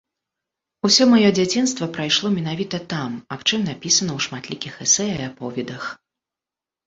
Усё маё дзяцінства прайшло менавіта там, аб чым напісана ў шматлікіх эсэ і аповедах.